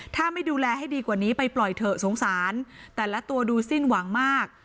ถ้าไม่ดูแลให้ดีกว่านี้ไปปล่อยเถอะสงสารแต่ละตัวดูสิ้นหวังมาก